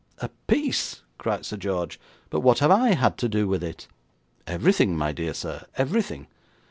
'Apiece!' cried Sir George. 'But what have I had to do with it?' 'Everything, my dear sir, everything.